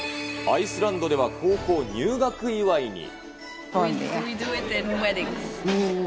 アイスランドでは、高校入学祝いに。